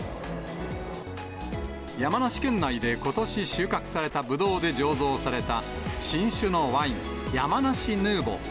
山梨県内でことし収穫されたブドウで醸造された新酒のワイン、山梨ヌーボー。